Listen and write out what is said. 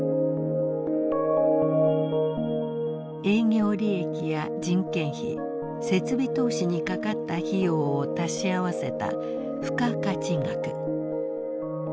営業利益や人件費設備投資にかかった費用を足し合わせた付加価値額。